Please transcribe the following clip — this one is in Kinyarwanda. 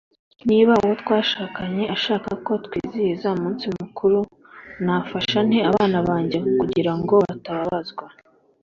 niba uwo twashakanye ashaka ko twizihiza umunsi mukuru nafasha nte abana banjye kugira ngo batababazwa